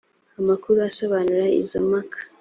amakuru asobanura izo mpaka